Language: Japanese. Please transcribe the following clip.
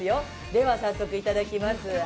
では早速いただきます。